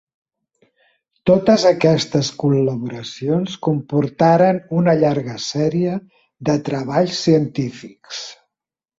Totes aquestes col·laboracions comportaren una llarga sèrie de treballs científics.